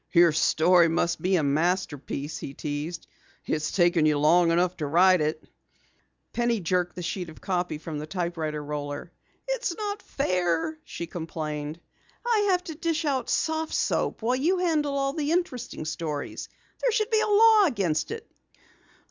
"Your story must be a masterpiece," he teased. "It's taken you long enough to write it." Penny jerked the sheet of copy from the typewriter roller. "It's not fair," she complained. "I have to dish out soft soap while you handle all the interesting stories. There should be a law against it."